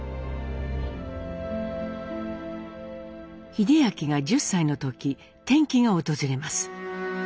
英明が１０歳の時転機が訪れます。